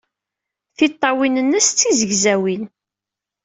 Tiṭṭawin-nnes d tizegzawin.